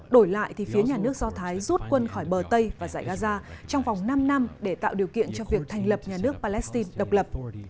đổi lại thì phía nhà nước do thái rút quân khỏi bờ tây và giải gaza trong vòng năm năm để tạo điều kiện cho việc thành lập nhà nước palestine độc lập